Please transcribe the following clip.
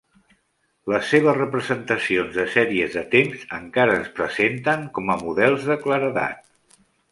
Les seves representacions de sèries de temps encara es presenten com a models de claredat.